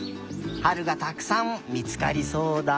はるがたくさんみつかりそうだ。